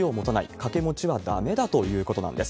掛け持ちはだめだということなんです。